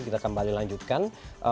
kita kembali lanjutkan